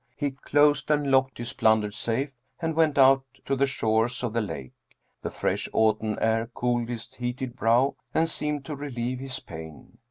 He closed and locked his plundered safe, and went out to the shores of the lake. The fresh autumn air cooled his heated brow and seemed to relieve his pain.